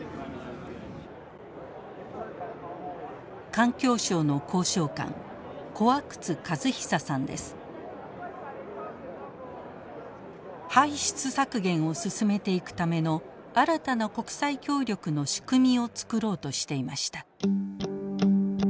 環境省の交渉官排出削減を進めていくための新たな国際協力の仕組みを作ろうとしていました。